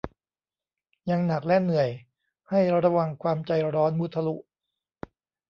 ยังหนักและเหนื่อย ให้ระวังความใจร้อนมุทะลุ